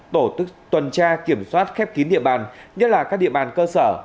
tổ tức tuần tra kiểm soát khép kín địa bàn nhất là các địa bàn cơ sở